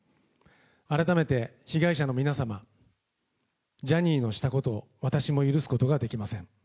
改めて被害者の皆様、ジャニーのしたことを、私も許すことができません。